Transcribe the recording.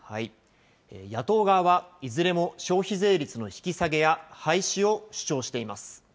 野党側は、いずれも消費税率の引き下げや、廃止を主張しています。